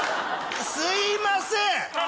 すみません。